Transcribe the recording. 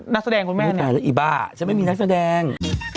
นักแสดงคุณแม่นี่อีบ้าฉันไม่มีนักแสดง